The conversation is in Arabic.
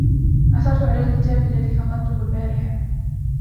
عثرت على الكتاب الذي فقدته البارحة.